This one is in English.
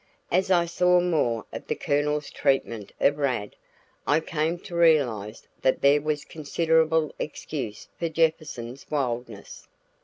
As I saw more of the Colonel's treatment of Rad, I came to realize that there was considerable excuse for Jefferson's wildness.